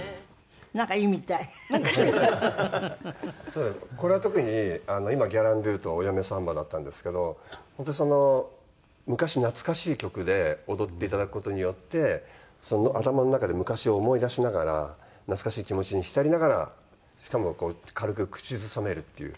そうこれは特に今『ギャランドゥ』と『お嫁サンバ』だったんですけど本当にその昔懐かしい曲で踊っていただく事によって頭の中で昔を思い出しながら懐かしい気持ちに浸りながらしかも軽く口ずさめるっていう。